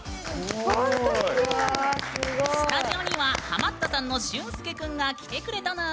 スタジオにはハマったさんのしゅんすけ君が来てくれたぬん。